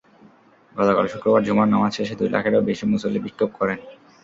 গতকাল শুক্রবার জুমার নামাজ শেষে দুই লাখেরও বেশি মুসল্লি বিক্ষোভ করেন।